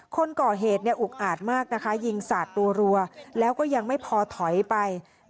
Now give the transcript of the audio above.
คนก่อเหตุอุกอาจมากนะคะยิงสาดรัวแล้วก็ยังไม่พอถอยไป